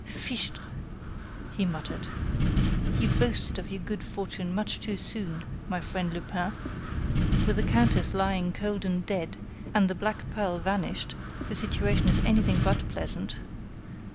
"Fichtre!" he muttered. "You boasted of your good fortune much too soon, my friend Lupin. With the countess lying cold and dead, and the black pearl vanished, the situation is anything but pleasant.